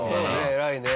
偉いね。